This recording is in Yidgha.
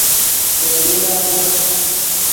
ترے یوڑا دے